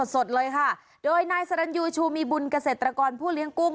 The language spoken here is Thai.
สดเลยค่ะโดยนายสรรยูชูมีบุญเกษตรกรผู้เลี้ยงกุ้ง